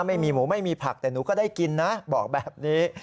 ไม่มีหมูไม่มีผักแต่หนูก็ได้กินนะบอกแบบนี้